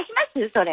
それ。